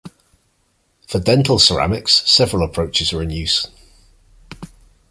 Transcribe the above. For dental ceramics, several approaches are in use.